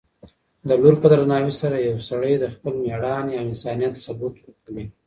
د لور په درناوي سره یو سړی د خپل مېړانې او انسانیت ثبوت ورکوي.